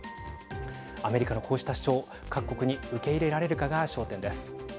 アメリカのこうした主張各国に受け入れられるかが焦点です。